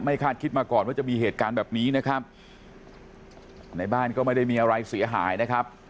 คาดคิดมาก่อนว่าจะมีเหตุการณ์แบบนี้นะครับในบ้านก็ไม่ได้มีอะไรเสียหายนะครับ